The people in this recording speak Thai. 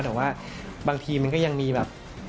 แต่ว่าบางทีมันก็ยังมีแบบ